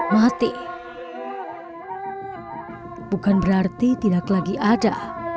mati bukan berarti tidak lagi ada